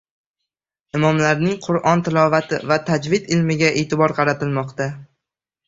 Imomlarning Qur’on tilovati va tajvid ilmiga e’tibor qaratilmoqda